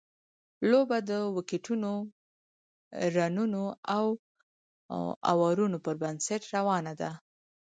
لوبه د ویکټونو، رنونو او اورونو پر بنسټ روانه ده.